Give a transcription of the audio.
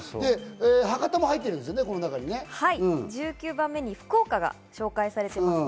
博多も入ってるん１９番目に福岡が紹介されています。